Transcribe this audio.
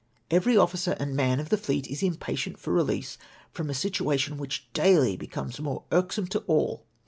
Every officer and man of the fleet is impatient for release from a situation which daily becomes more irksome to all.